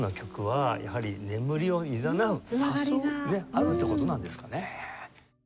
あるって事なんですかね。